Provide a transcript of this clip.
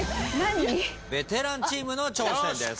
ベテランチームの挑戦です。